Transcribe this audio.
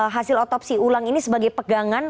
hasil otopsi ulang ini sebagai pegangan